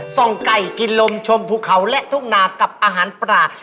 ส่งไก่กินลมชมภูเขาและทุ่งนากับอาหารปลา